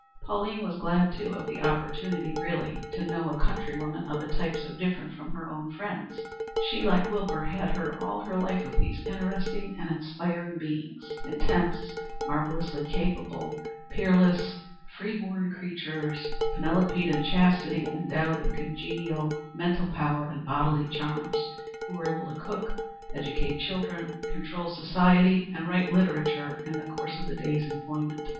Pauline was glad, too, of the opportunity really to know a countrywoman of a type so different from her own friends. She, like Wilbur, had heard all her life of these interesting and inspiring beings; intense, marvellously capable, peerless, free born creatures panoplied in chastity and endowed with congenital mental power and bodily charms, who were able to cook, educate children, control society and write literature in the course of the day's employment.